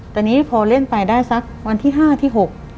ตอนนี้พอเล่นไปได้สักวันที่๕ที่๖